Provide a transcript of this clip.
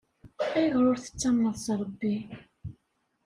Ayɣer ur tettamneḍ s Ṛebbi?